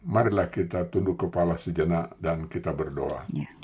marilah kita tunduk kepala sejenak dan kita berdoa